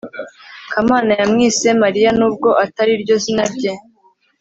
kamana yamwise mariya nubwo atariryo zina rye